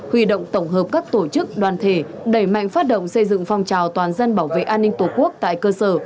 huy động tổng hợp các tổ chức đoàn thể đẩy mạnh phát động xây dựng phong trào toàn dân bảo vệ an ninh tổ quốc tại cơ sở